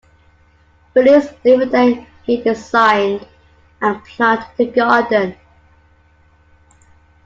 Whilst living there he designed, and planted a garden.